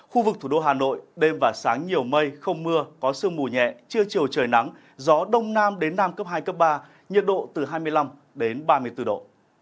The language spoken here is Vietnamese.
khu vực thủ đô hà nội đêm và sáng nhiều mây không mưa có sương mù nhẹ chưa chiều trời nắng gió đông nam đến nam cấp hai cấp ba nhiệt độ từ hai mươi năm ba mươi bốn độ